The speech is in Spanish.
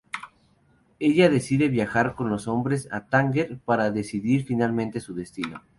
Ella decide viajar con los dos hombres a Tánger para decidir finalmente su destino.